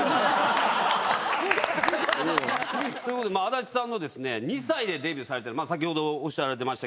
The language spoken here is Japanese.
安達さん２歳でデビューされてる先ほどおっしゃられてました。